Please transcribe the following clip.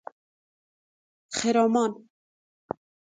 خرامان